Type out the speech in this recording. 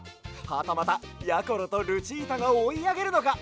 はたまたやころとルチータがおいあげるのか？